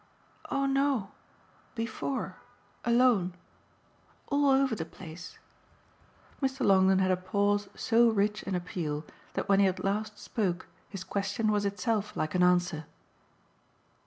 "Oh no before, alone. All over the place." Mr. Longdon had a pause so rich in appeal that when he at last spoke his question was itself like an answer.